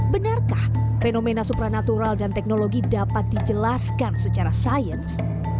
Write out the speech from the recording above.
benarkah fenomena supranatural dan teknologi dapat dijelaskan secara sains